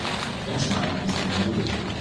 Benchmarking ist in Mode.